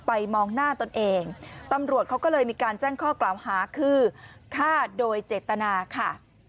มองหน้าตนเองตำรวจเขาก็เลยมีการแจ้งข้อกล่าวหาคือฆ่าโดยเจตนาค่ะ